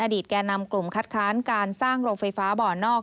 แก่นำกลุ่มคัดค้านการสร้างโรงไฟฟ้าบ่อนอก